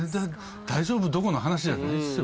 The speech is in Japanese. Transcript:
大丈夫どころの話じゃないですよ